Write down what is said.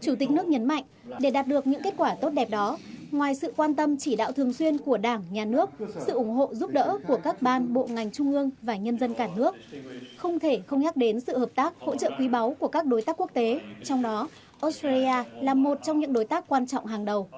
chủ tịch nước nhấn mạnh để đạt được những kết quả tốt đẹp đó ngoài sự quan tâm chỉ đạo thường xuyên của đảng nhà nước sự ủng hộ giúp đỡ của các ban bộ ngành trung ương và nhân dân cả nước không thể không nhắc đến sự hợp tác hỗ trợ quý báu của các đối tác quốc tế trong đó australia là một trong những đối tác quan trọng hàng đầu